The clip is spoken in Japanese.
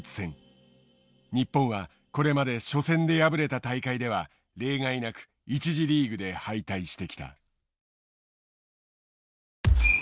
日本はこれまで初戦で敗れた大会では例外なく１次リーグで敗退してきた。